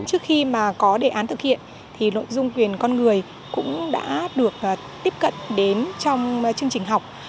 trước khi mà có đề án thực hiện thì nội dung quyền con người cũng đã được tiếp cận đến trong chương trình học